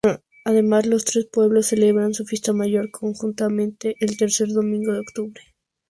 Además los tres pueblos celebran su fiesta mayor conjuntamente el tercer domingo de octubre.